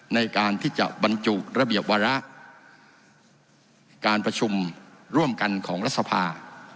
ในการที่จะบรรจุระเบียบวาระการประชุมร่วมกันของรัฐสภา